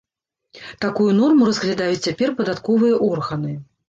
Такую норму разглядаюць цяпер падатковыя органы.